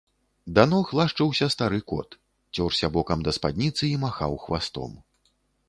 Да ног лашчыўся стары кот, цёрся бокам да спадніцы і махаў хвастом.